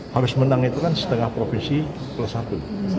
harus menang itu kan setengah profesi plus satu